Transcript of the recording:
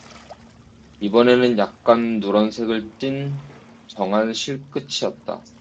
이번에는 약간 누런색을 띤 정한 실끝이었다.